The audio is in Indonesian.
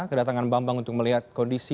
kedatangan bambang untuk melihat kondisi